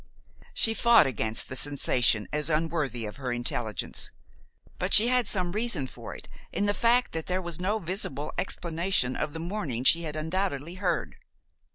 She fought against the sensation as unworthy of her intelligence; but she had some reason for it in the fact that there was no visible explanation of the mourning she had undoubtedly heard.